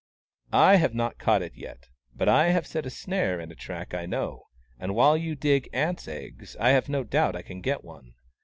" I have not caught it yet. But I have set a snare in a track I know — and while you dig ants' eggs I have no doubt I can get one.